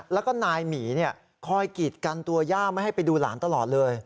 แล้วก็นายหมีคอยกีดกันตัวย่าไม่ให้ไปดูหลานตลอดเลย